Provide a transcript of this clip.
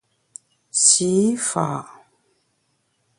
Sî fa’ !